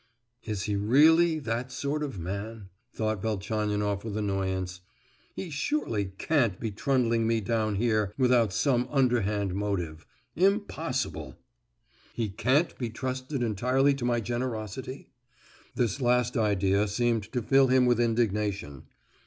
"Is he really that sort of man?" thought Velchaninoff with annoyance. "He surely can't be trundling me down here without some underhand motive—impossible! He can't be trusting entirely to my generosity?" This last idea seemed to fill him with indignation.